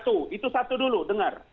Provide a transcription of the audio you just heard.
satu itu satu dulu dengar